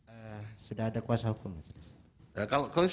eh sudah ada kuasa hukum mas